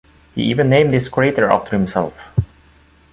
He even named this crater after himself.